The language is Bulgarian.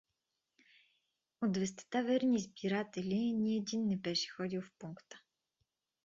От двестата верни избиратели ни един не беше ходил в пункта.